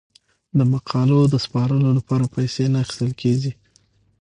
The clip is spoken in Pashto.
د مقالو د سپارلو لپاره پیسې نه اخیستل کیږي.